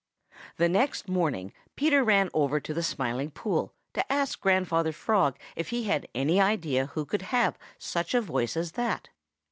The next morning Peter ran over to the Smiling Pool to ask Grandfather Frog if he had any idea who could have such a voice as that.